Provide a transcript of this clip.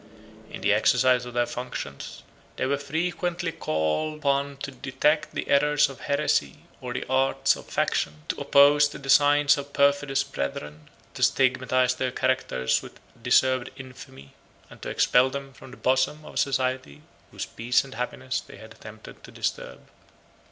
In the exercise of their functions, they were frequently called upon to detect the errors of heresy or the arts of faction, to oppose the designs of perfidious brethren, to stigmatize their characters with deserved infamy, and to expel them from the bosom of a society whose peace and happiness they had attempted to disturb.